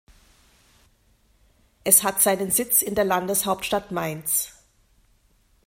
Es hat seinen Sitz in der Landeshauptstadt Mainz.